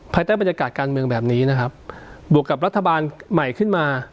ใต้บรรยากาศการเมืองแบบนี้นะครับบวกกับรัฐบาลใหม่ขึ้นมา